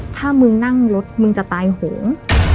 ถ้ามึงนั่งรถมึงจะตายโหง